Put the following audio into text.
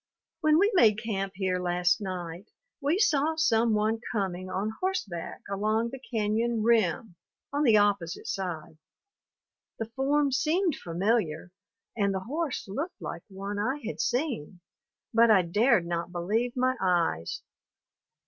When we made camp here last night we saw some one coming on horseback along the cañon rim on the opposite side. The form seemed familiar and the horse looked like one I had seen, but I dared not believe my eyes.